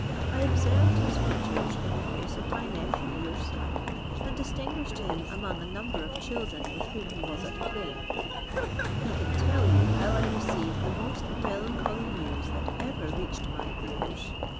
I observed his features in the face of my nephew, your son, and distinguished him among a number of children with whom he was at play; he can tell you how I received the most melancholy news that ever reached my ears.